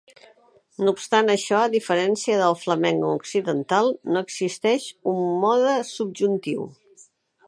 No obstant això, a diferència del flamenc occidental, no existeix un mode subjuntiu.